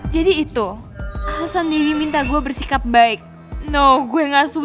jadi itu hasan jadi minta gue bersikap baik no gue gak sudi